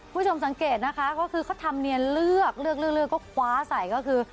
ผู้ชมสังเกตนะคะก็คือเขาทำเนียนเลือกก็คว้าใส่ก็คือ